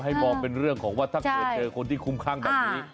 มองเป็นเรื่องของว่าถ้าเกิดเจอคนที่คุ้มข้างแบบนี้